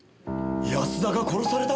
安田が殺された！？